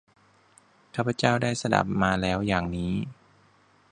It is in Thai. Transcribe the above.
ข้าพเจ้าได้สดับมาแล้วอย่างนี้